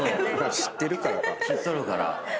知っとるから。